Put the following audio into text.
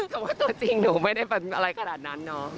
แต่ว่าตัวจริงหนูไม่ได้เป็นอะไรขนาดนั้นเนาะ